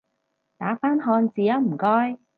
打返漢字吖唔該